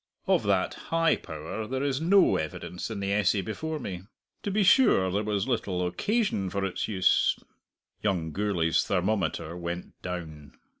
Of that high power there is no evidence in the essay before me. To be sure there was little occasion for its use." Young Gourlay's thermometer went down.